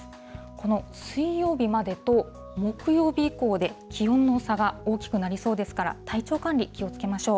この水曜日までと、木曜日以降で気温の差が大きくなりそうですから、体調管理、気をつけましょう。